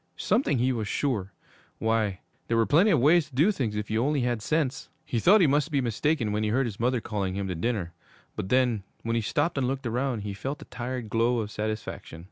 Something he was sure. Why, there were plenty of ways to do things if you only had sense. He thought he must be mistaken when he heard his mother calling him to dinner; but then, when he stopped and looked around, he felt a tired glow of satisfaction.